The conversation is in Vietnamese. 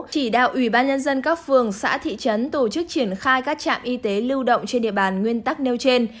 chỉ đạo ủy ban nhân dân các phường xã thị trấn tổ chức triển khai các trạm y tế lưu động trên địa bàn nguyên tắc nêu trên